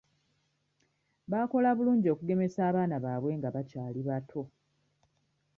Baakola bulungi okugemesa abaana baabwe nga bakyali bato.